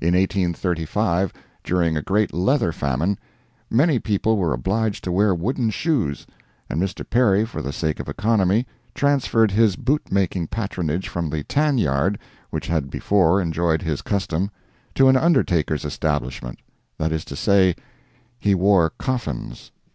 In 1835, during a great leather famine, many people were obliged to wear wooden shoes, and Mr. Perry, for the sake of economy, transferred his boot making patronage from the tan yard which had before enjoyed his custom, to an undertaker's establishment—that is to say, he wore coffins.